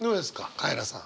カエラさん。